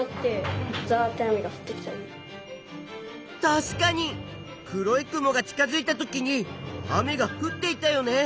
たしかに黒い雲が近づいたときに雨がふっていたよね。